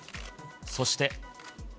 そして。